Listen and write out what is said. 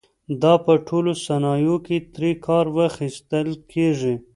دا په ټولو صنایعو کې ترې کار اخیستل کېږي.